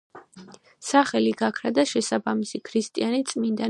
სახელი გაქრა და შესაბამისი ქრისტიანი წმინდანის სახელით შეიცვალა.